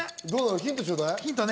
ヒントちょうだい。